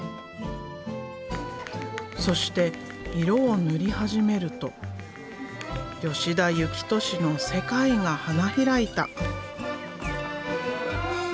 そして色を塗り始めると吉田幸敏の世界が花開いた。